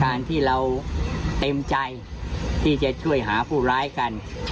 การที่เราเต็มใจที่จะช่วยหาผู้ร้ายกัน